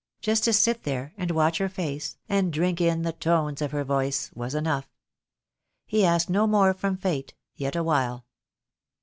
Just to sit there, and watch her face, and drink in the tones of her voice, was enough. He asked no more from Fate, yet awhile.